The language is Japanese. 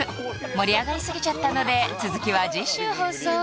盛り上がりすぎちゃったので続きは次週放送